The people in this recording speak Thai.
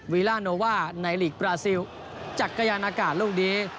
วีลาโนวาในลีกบราซิลจากกระยะนากาศลูกดี